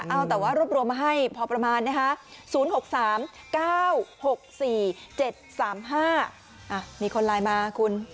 เอาแต่ว่ารวบรวมมาให้พอประมาณนะคะ๐๖๓๙๖๔๗๓๕มีคนไลน์มาคุณ